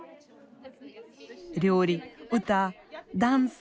料理歌ダンス。